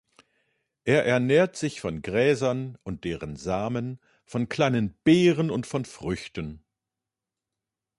Er ernährt sich von Gräsern und deren Samen, von kleinen Beeren und von Früchten.